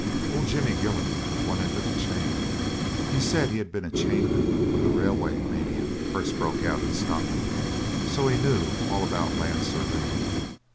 Old Jimmy Gillon took one end of the chain; he said he had been a chainman when the railway mania first broke out in Scotland, so he knew all about land surveying.